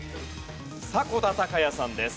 迫田孝也さんです。